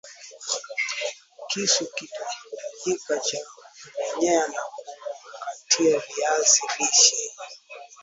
Kisu kitahitajika cha kumenyea na kukatia viazi lishe